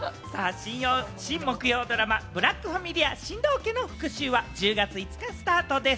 新木曜ドラマ『ブラックファミリア新堂家の復讐』は１０月５日スタートです。